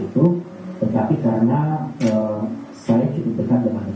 untuk tentara sistemnya hal ini ada juga yang disangkat hei bisa diperluan di bandara eku lagi